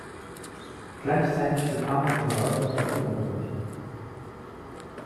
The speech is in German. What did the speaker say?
Gleichzeitig bekam er privaten Klavierunterricht.